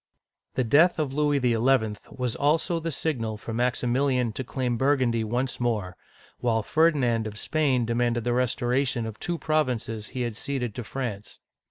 The death of Louis XL was also the signal for MaximiL ian to claim Burgundy once more, while Fer'dinandof Spain demanded the restoration of two provinces which he had ceded to France.